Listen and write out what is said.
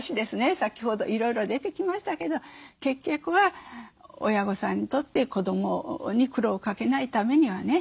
先ほどいろいろ出てきましたけど結局は親御さんにとって子どもに苦労をかけないためにはね